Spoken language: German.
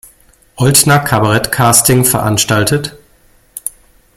Oltner Kabarett-Casting veranstaltet.